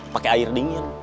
pakai air dingin